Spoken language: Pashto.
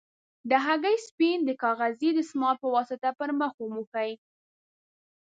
د هګۍ سپین د کاغذي دستمال په واسطه پر مخ وموښئ.